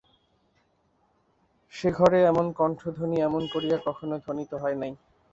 সে ঘরে এমন কণ্ঠধ্বনি এমন করিয়া কখনো ধ্বনিত হয় নাই।